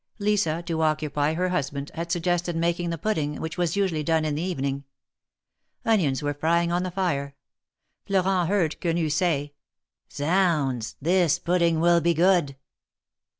Lisa, to occupy her husband, had suggested making the pudding, which was usually done in the evening. Onions were frying on the fire. Florent heard Quenu say: Zounds ! this pudding will be good